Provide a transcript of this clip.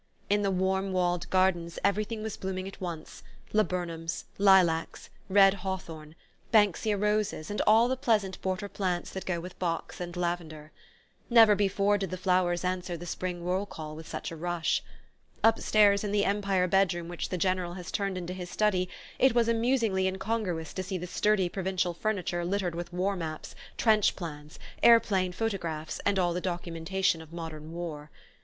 In the warm walled gardens everything was blooming at once: laburnums, lilacs, red hawthorn, Banksia roses and all the pleasant border plants that go with box and lavender. Never before did the flowers answer the spring roll call with such a rush! Upstairs, in the Empire bedroom which the General has turned into his study, it was amusingly incongruous to see the sturdy provincial furniture littered with war maps, trench plans, aeroplane photographs and all the documentation of modern war.